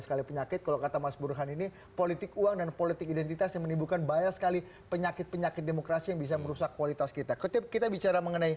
eskalasinya naik dua duanya kita akan jelaskan